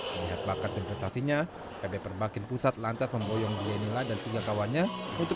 melihat bakat investasinya pb pembangunan pusat lancar memboyong dia inilah dan tiga kawannya untuk